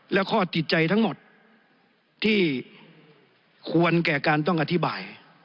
และข้อติดใจทั้งหมดที่ควรแก่การต้องอธิบาย